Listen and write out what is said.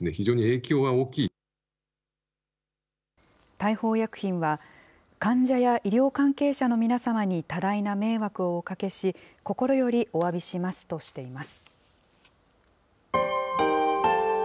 大鵬薬品は、患者や医療関係者の皆様に多大な迷惑をおかけし、心よりおわびしますとしています。